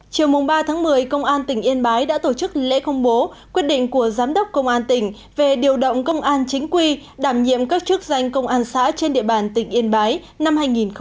chiều ba một mươi công an tỉnh yên bái đã tổ chức lễ công bố quyết định của giám đốc công an tỉnh về điều động công an chính quy đảm nhiệm các chức danh công an xã trên địa bàn tỉnh yên bái năm hai nghìn hai mươi